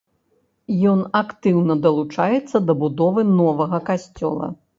Ён актыўна далучаецца да будовы новага касцёла.